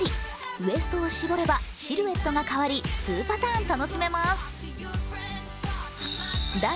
ウエストを絞ればシルエットが変わり、２パターン楽しめます。